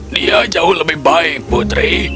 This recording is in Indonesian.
dia jauh lebih baik putri